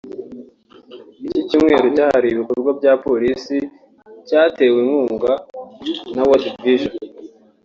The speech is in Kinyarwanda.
Iki cyumweru cyahariwe ibikorwa bya Polisi cyatewe inkunga na World Vision